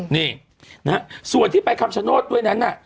นี่ส่วนที่ไปคำชะโนชน์ด้วยนั้นน่ะ